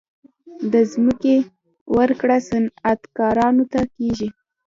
د ځمکې ورکړه صنعتکارانو ته کیږي